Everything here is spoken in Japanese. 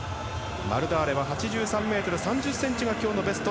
マルダーレは８３ｍ３０ｃｍが今日のベスト。